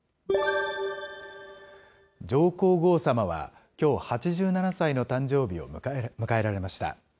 上皇后さまはきょう、８７歳の誕生日を迎えられました。